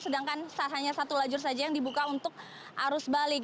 sedangkan hanya satu lajur saja yang dibuka untuk arus balik